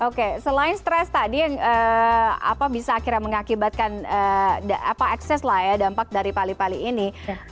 oke selain stres tadi yang bisa akhirnya mengakibatkan ekses lah ya dampak dari pali pali ini